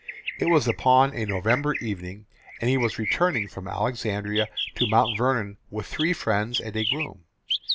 It was upon a November evening, and he was returning from Alexandria to Mount Vernon with three friends and a groom.